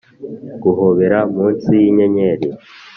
guhobera munsi yinyenyeri.